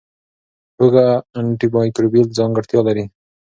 هوږه انټي مایکروبیل ځانګړتیا لري.